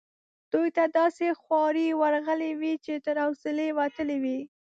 دوی ته داسي خوارې ورغلي وې چې تر حوصلې وتلې وي.